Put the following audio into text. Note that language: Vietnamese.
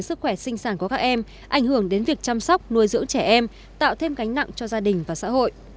sức khỏe sinh sản của các em ảnh hưởng đến việc chăm sóc nuôi dưỡng trẻ em tạo thêm gánh nặng cho gia đình và xã hội